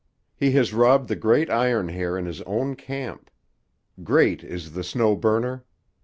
He has robbed the great Iron Hair in his own camp. Great is the Snow Burner!